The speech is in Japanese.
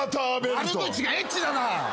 悪口がエッチだな！